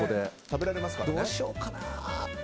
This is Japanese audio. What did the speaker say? どうしようかな。